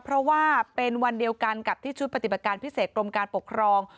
เพราะว่าเป็นวันเดียวกันกับที่ชุดปฏิบัติการพิเศษกรมการปกครอง